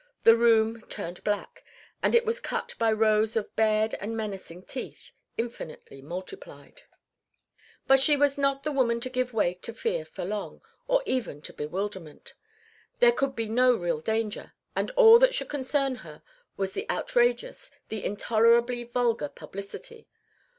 The room turned black, and it was cut by rows of bared and menacing teeth, infinitely multiplied. But she was not the woman to give way to fear for long, or even to bewilderment. There could be no real danger, and all that should concern her was the outrageous, the intolerably vulgar publicity.